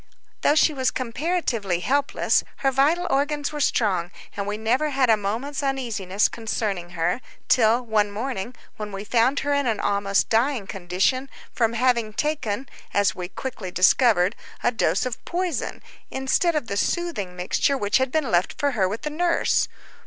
Though she was comparatively helpless, her vital organs were strong, and we never had a moment's uneasiness concerning her, till one morning when we found her in an almost dying condition from having taken, as we quickly discovered, a dose of poison, instead of the soothing mixture which had been left for her with the nurse.